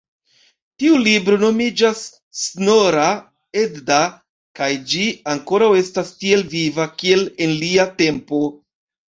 Tiu libro nomiĝas Snorra-Edda kaj ĝi ankoraŭ estas tiel viva, kiel en lia tempo.